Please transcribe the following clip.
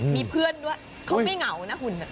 มีเพื่อนด้วยเขาไม่เหงานะหุ่น